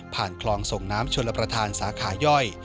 ผ่านคลองส่งน้ำชนประทานสาขาย่อย